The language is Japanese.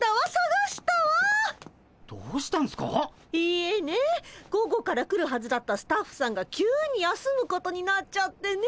いえね午後から来るはずだったスタッフさんが急に休むことになっちゃってね。